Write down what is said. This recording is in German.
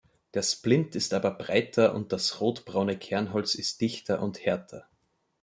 Der Splint ist aber breiter und das rotbraune Kernholz ist dichter und härter.